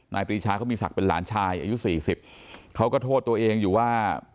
ปรีชาเขามีศักดิ์เป็นหลานชายอายุสี่สิบเขาก็โทษตัวเองอยู่ว่า